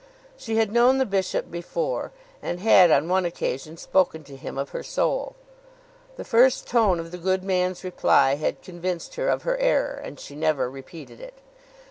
She had known the bishop before, and had on one occasion spoken to him of her soul. The first tone of the good man's reply had convinced her of her error, and she never repeated it.